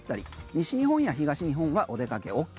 西日本や東日本はお出かけＯＫ。